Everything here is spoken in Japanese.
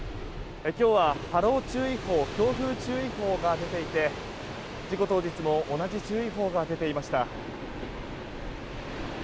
今日は波浪注意報強風注意報が出ていて事故当日も同じ注意報が出ていました。